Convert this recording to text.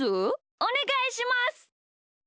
おねがいします。